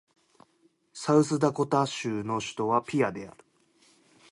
サウスダコタ州の州都はピアである